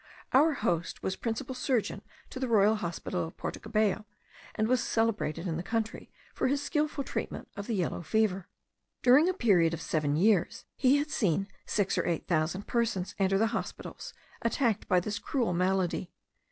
Our host was principal surgeon to the royal hospital of Porto Cabello, and was celebrated in the country for his skilful treatment of the yellow fever. During a period of seven years he had seen six or eight thousand persons enter the hospitals, attacked by this cruel malady.